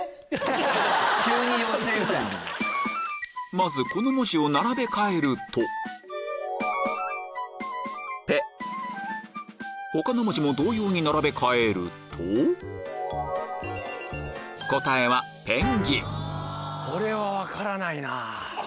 まずこの文字を並べ替えると他の文字も同様に並べ替えるとこれは分からないな。